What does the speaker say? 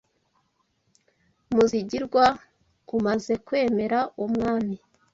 Muzigirwa umaze kwemera Umwami